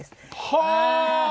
はあ！